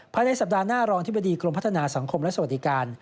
ภายในสัปดาห์หน้ารองอธิบดีกรมพัฒนาสังคมและสวัสดิการ